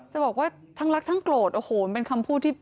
จะบอกว่าทั้งรักทั้งโกรธโอ้โหมันเป็นคำพูดที่